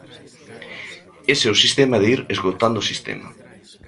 Ese é o sistema de ir esgotando o sistema.